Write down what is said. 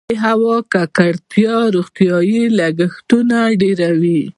د هوا ککړتیا روغتیايي لګښتونه ډیروي؟